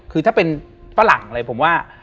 คือถ้าเป็นฝรั่งอะไรผมว่า